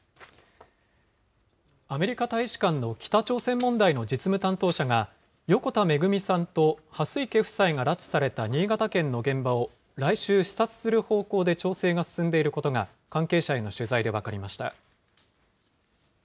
アメリカ大使館の北朝鮮問題の実務担当者が、横田めぐみさんと蓮池夫妻が拉致された新潟県の現場を来週、視察する方向で調整が進んでいることが、関係者への取材で分かりました。